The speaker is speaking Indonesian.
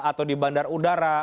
atau di bandar udara